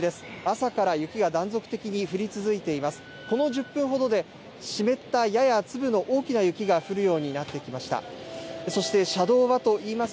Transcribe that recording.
朝から雪が断続的に降り続いています。